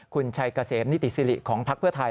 คุณชัยเกษมนิติสิริของพักเพื่อไทย